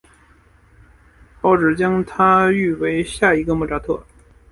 报纸将他誉为下一个莫扎特。